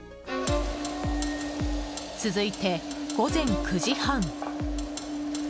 続いて、午前９時半。